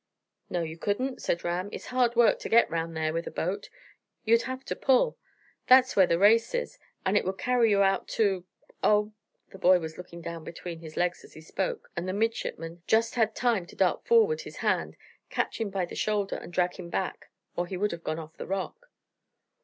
"No, you couldn't," said Ram; "it's hard work to get round there with a boat. You do have to pull. That's where the race is, and it would carry you out to oh?" The boy was looking down between his legs as he spoke; and the midshipman just had time to dart forward his hand, catch him by the shoulder, and drag him back, or he would have gone off the rock.